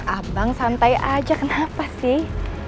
abang santai aja kenapa sih